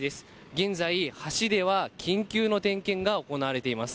現在、橋では緊急の点検が行われています。